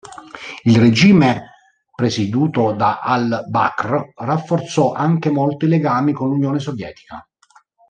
Il regime presieduto da al-Bakr rafforzò anche molto i legami con l'Unione Sovietica.